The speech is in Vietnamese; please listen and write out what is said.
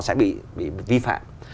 sẽ bị vi phạm